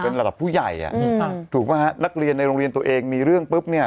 เป็นระดับผู้ใหญ่อ่ะถูกป่ะฮะนักเรียนในโรงเรียนตัวเองมีเรื่องปุ๊บเนี่ย